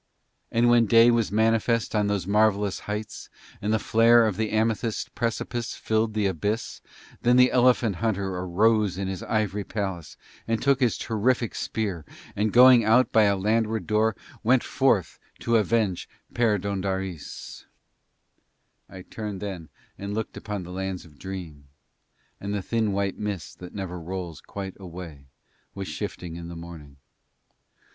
And when day was manifest on those marvellous heights and the flare of the amethyst precipice filled the abyss, then the elephant hunter arose in his ivory palace and took his terrific spear and going out by a landward door went forth to avenge Perdóndaris I turned then and looked upon the lands of Dream, and the thin white mist that never rolls quite away was shifting in the morning.